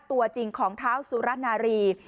ตัวจริงของเท้าสุรนารี